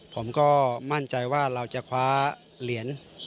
ผมก็มั่นใจว่าเราจะคว้าเหรียญ